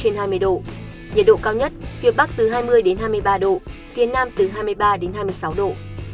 nhiệt độ cao nhất phía bắc từ hai mươi hai mươi ba độ phía nam từ hai mươi ba đến hai mươi sáu độ